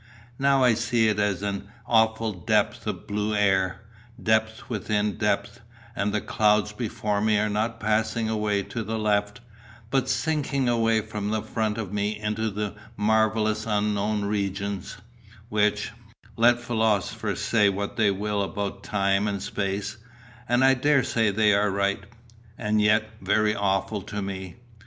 Now I see it as an awful depth of blue air, depth within depth; and the clouds before me are not passing away to the left, but sinking away from the front of me into the marvellous unknown regions, which, let philosophers say what they will about time and space, and I daresay they are right, are yet very awful to me.